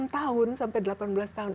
delapan tahun sampai delapan belas tahun